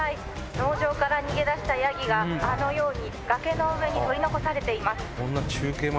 農場から逃げ出したヤギがあのように崖の上に取り残されています。